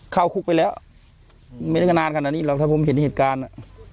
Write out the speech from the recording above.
เข้าคุกไปแล้วไม่ได้นานขนาดนี้หรอกถ้าผมเห็นเหตุการณ์อ่ะ